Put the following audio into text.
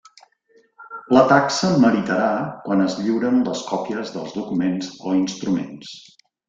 La taxa meritarà quan es lliuren les còpies dels documents o instruments.